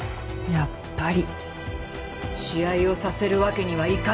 やっぱり試合をさせるわけにはいかない！